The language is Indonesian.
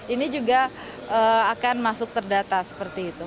ini juga akan masuk terdata seperti itu